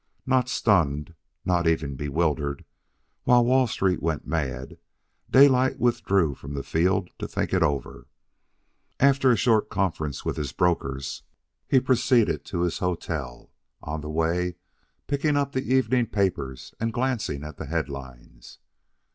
Not stunned, not even bewildered, while Wall Street went mad, Daylight withdrew from the field to think it over. After a short conference with his brokers, he proceeded to his hotel, on the way picking up the evening papers and glancing at the head lines.